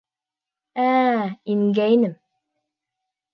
Ә-ә, ингәйнем.